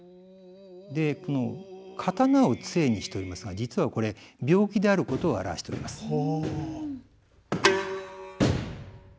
この刀を杖にしておりますが実はこれ病気であることを表しております。